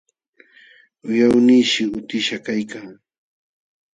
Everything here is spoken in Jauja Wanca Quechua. Wiqawnishi utishqa kaykan,